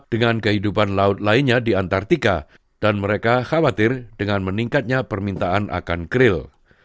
dengan kehidupan laut lainnya di antartika dan mereka khawatir dengan meningkatnya permintaan akan crel